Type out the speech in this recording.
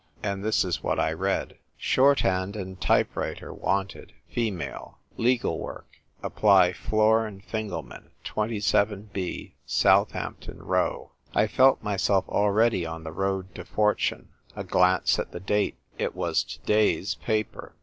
And this is what I read —" Shorthand and Type writer wanted (female). Legal work. — Apply Flor and Fingelman, 2'jn, Southampton Row." I felt myself already on the road to fortune. A glance at the date : it was to day's paper